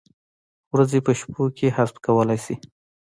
ورځې په شپو کې حذف کولای شي؟